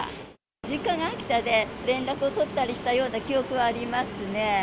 実家が秋田で、連絡を取ったりしたような記憶はありますね。